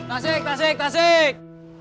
tasik tasik tasik